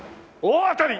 大当たり！！